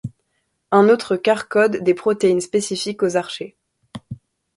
Un autre quart code des protéines spécifiques aux archées.